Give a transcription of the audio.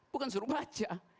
bukan suruh baca